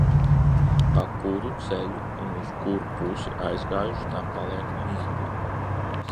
Pa kuru ceļu un uz kuru pusi aizgājuši, tā paliek mīkla.